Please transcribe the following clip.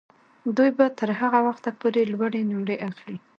دوی به تر هغه وخته پورې لوړې نمرې اخلي.